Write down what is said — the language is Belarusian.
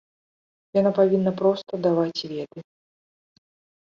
Яна павінна проста даваць веды.